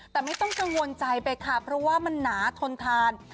แต่ไม่ต้องกังวลใจไปค่ะเพราะว่ามันหนาทนทาน